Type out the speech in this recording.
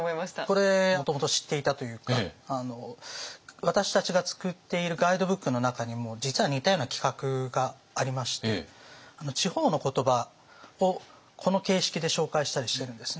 これもともと知っていたというか私たちが作っているガイドブックの中にも実は似たような企画がありまして地方の言葉をこの形式で紹介したりしてるんですね。